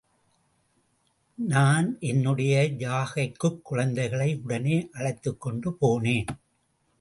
நான் என்னுடைய ஜாகைக்குக் குழந்தைகளை உடனே அழைத்துக்கொண்டு போனேன்.